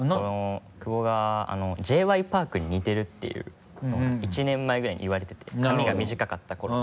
久保がＪ．Ｙ．Ｐａｒｋに似てるっていうのが１年前ぐらいに言われてて髪が短かった頃。